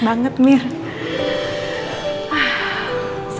senang campur sendiri lah pasti